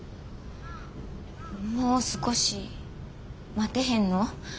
もう少し待てへんの？